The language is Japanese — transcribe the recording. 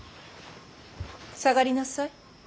下がりなさい。